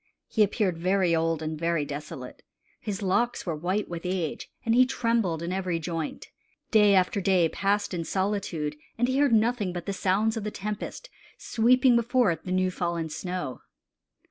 He appeared very old and very desolate. His locks were white with age, and he trembled in every joint. Day after day passed in solitude, and he heard nothing but the sounds of the tempest, sweeping before it the new fallen snow.